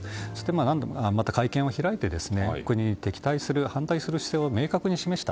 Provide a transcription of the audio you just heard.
何度も会見を開いて国に敵対する反対する姿勢を示した。